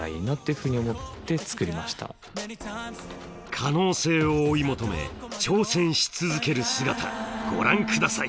可能性を追い求め挑戦し続ける姿ご覧下さい。